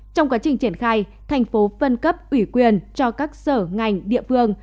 trong quá trình triển khai thành phố phân cấp ủy quyền cho các sở ngành địa phương